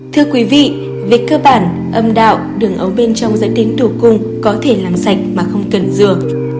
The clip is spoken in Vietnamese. thưa quý vị về cơ bản âm đạo đường ấu bên trong dẫn đến đổ cung có thể làm sạch mà không cần dừa